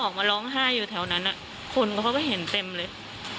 ออกมาร้องไห้อยู่แถวนั้นคนเขาก็เห็นเต็มเลย